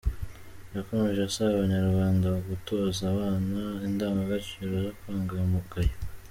Yakomeje asaba abanyarwanda gutoza abana indangagaciro zo kwanga umugayo.